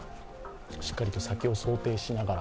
しっかりと先を想定しながら。